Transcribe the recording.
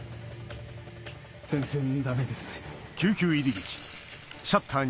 全然ダメですね。